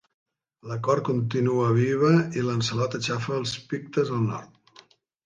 La cort continua viva i Lancelot aixafa els Pictes al Nord.